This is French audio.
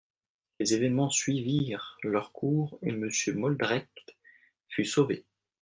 Les événemens suivirent leur cours, et Monsieur Moldrecht fut sauvé.